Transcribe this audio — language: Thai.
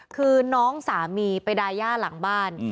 คือน้องสามีไปดาย่าหลังบ้าน